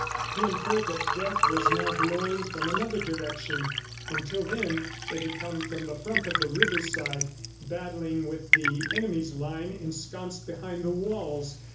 He inferred that Death was now blowing from another direction. Until then, it had come from the front on the river side, battling with the enemy's line ensconced behind the walls.